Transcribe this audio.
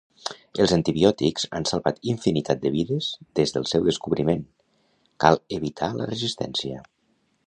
Els antibiòtics han salvat infinitat de vides des del seu descobriment, cal evitar la resistència.